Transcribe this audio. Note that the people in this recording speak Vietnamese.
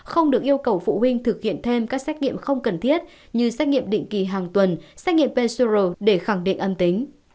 không được yêu cầu phụ huynh thực hiện thêm các xét nghiệm không cần thiết như xét nghiệm định kỳ hàng tuần xét nghiệm pcuro để khẳng định âm tính